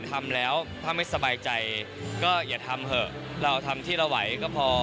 ทำแล้วถ้าไม่สบายใจก็อย่าทำเถอะเราทำที่เราไหวก็พอ